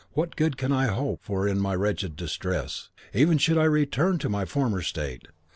what good can I hope for in my wretched distress, even should I return to my former state?